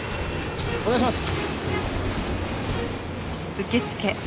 お願いします！